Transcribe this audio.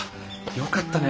よかったね。